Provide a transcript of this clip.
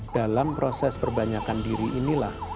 dalam proses perbanyakan diri inilah